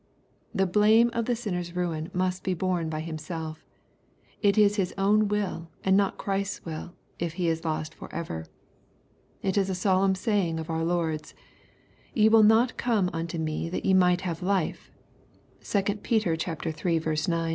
— The blame of the sinner's ruin must be borne by himselC It is his own wiU, and not Christ's will, if he is lost forever. It is a solemn saying of our Lord's, " Ye will not come unto me that ye might have life." (2 Pet. iii. 9. 1 Tim.